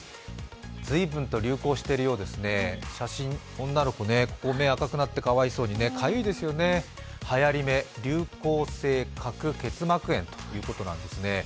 随分と菱光しているようです、写真の女の子赤くなっていてかゆいですよね、はやり目、流行性角結膜炎ということなんですね。